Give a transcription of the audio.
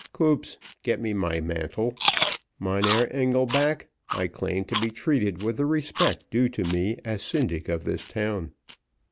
Koop, get me my mantle. Mynheer Engelback, I claim to be treated with the respect due to me, as syndic of this town."